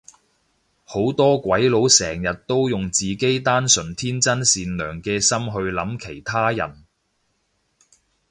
好多鬼佬成日都用自己單純天真善良嘅心去諗其他人